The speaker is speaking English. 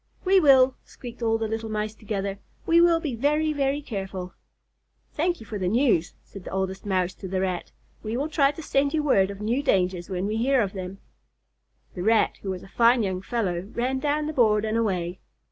"We will," squeaked all the little Mice together. "We will be very, very careful." "Thank you for the news," said the Oldest Mouse to the Rat. "We will try to send you word of new dangers when we hear of them." The Rat, who was a fine young fellow, ran down the board and away.